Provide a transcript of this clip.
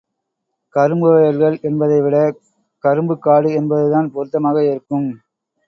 கரும்பு வயல்கள் என்பதைவிட, கரும்புக் காடு என்பதுதான் பொருத்தமாக இருக்கும்.